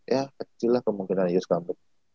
ya kecil lah kemungkinan ius comeback